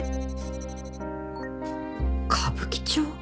歌舞伎町？